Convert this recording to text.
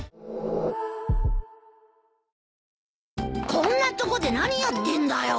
こんなとこで何やってんだよ？